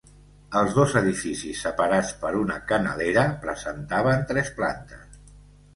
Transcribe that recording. Els dos edificis separats per una canalera, presentaven tres plantes.